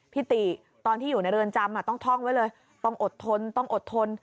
ติตอนที่อยู่ในเรือนจำต้องท่องไว้เลยต้องอดทนต้องอดทน